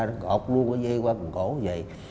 nó cột luôn dây qua phần cổ như vậy